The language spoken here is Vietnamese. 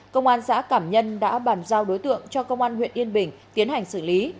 công an xã cảm nhân đã bàn giao đối tượng cho công an huyện yên bình tiến hành xử lý